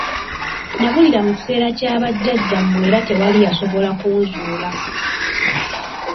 Nabulira mu kiseera kya bajjajjammwe era tewaali yasoobola kunzuula.